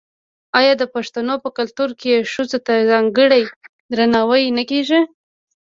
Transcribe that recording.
آیا د پښتنو په کلتور کې ښځو ته ځانګړی درناوی نه کیږي؟